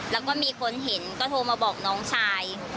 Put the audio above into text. แล้วก็มีคนเห็นก็โทรมาบอกน้องชาย